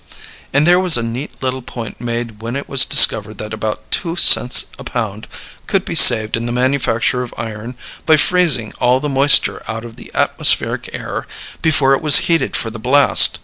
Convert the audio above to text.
And there was a neat little point made when it was discovered that about two cents a pound could be saved in the manufacture of iron by freezing all the moisture out of the atmospheric air before it was heated for the blast.